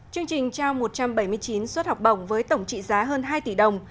chương trình trao một trăm bảy mươi chín suất học bổng với tổng trị giá hơn hai tỷ đồng